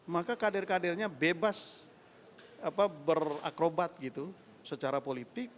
maka kader kadernya bebas berakrobat gitu secara politik